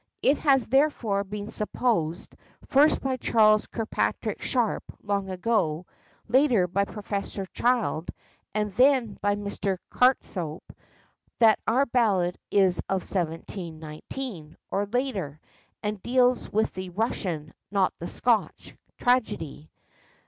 It has therefore been supposed, first by Charles Kirkpatrick Sharpe long ago, later by Professor Child, and then by Mr. Courthope, that our ballad is of 1719, or later, and deals with the Russian, not the Scotch, tragedy.